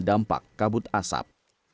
dampak kabut asap